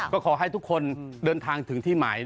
ก็ขอให้ทุกคนเดินทางถึงที่หมาย